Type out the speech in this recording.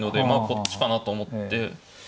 こっちかなと思って。